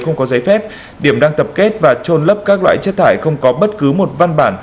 không có giấy phép điểm đang tập kết và trôn lấp các loại chất thải không có bất cứ một văn bản